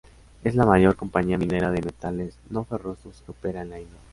Es la mayor compañía minera de metales no ferrosos que opera en la India.